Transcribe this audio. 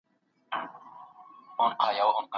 زه کولای سم لوستل وکړم.